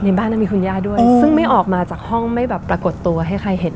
บ้านนั้นมีคุณย่าด้วยซึ่งไม่ออกมาจากห้องไม่แบบปรากฏตัวให้ใครเห็น